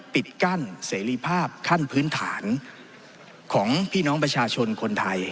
ปิดกั้นเสรีภาพขั้นพื้นฐานของพี่น้องประชาชนคนไทย